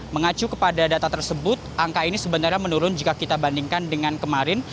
mengacu kepada data tersebut angka ini sebenarnya menurun jika kita bandingkan dengan kemarin